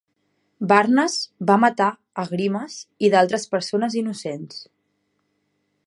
Barnes va matar a Grimes i a d'altres persones innocents.